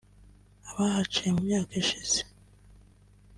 abahaciye mu myaka ishize